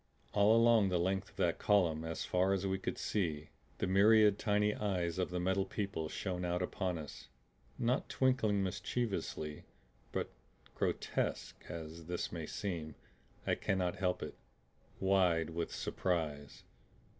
All along the length of that column as far as we could see the myriad tiny eyes of the Metal People shone out upon us, not twinkling mischievously, but grotesque as this may seem, I cannot help it wide with surprise.